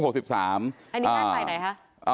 อันนี้ภายใกล้อะไรคะ